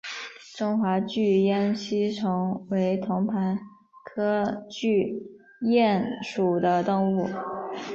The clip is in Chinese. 中华巨咽吸虫为同盘科巨咽属的动物。